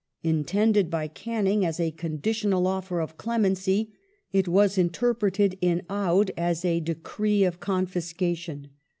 Intended by Canning as a conditional offer of clemency it was interpreted in Oudh as a decree of confiscation.